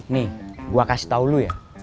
nih gue kasih tau lu ya